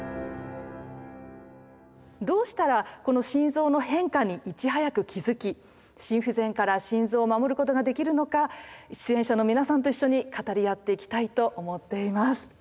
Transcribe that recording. どうしたらこの心臓の変化にいち早く気づき心不全から心臓を守ることができるのか出演者の皆さんと一緒に語り合っていきたいと思っています。